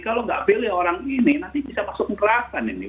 kalau nggak pilih orang ini nanti bisa masuk gerakan ini